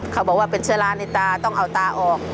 เขาบอกว่าเป็นเชื้อราในตาต้องเอาตาออก